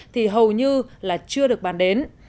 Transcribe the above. thì hầu như là chưa được bàn đến